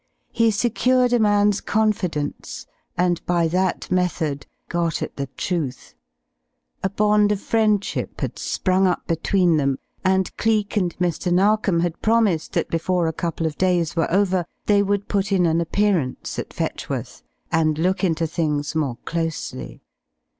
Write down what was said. He secured a man's confidence and by that method got at the truth. A bond of friendship had sprung up between them, and Cleek and Mr. Narkom had promised that before a couple of days were over, they would put in an appearance at Fetchworth, and look into things more closely.